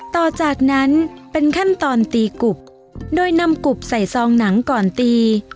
ต่อจากนั้นเป็นขั้นตอนตีกุบโดยนำกุบใส่ซองหนังก่อนตี